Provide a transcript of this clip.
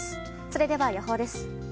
それでは予報です。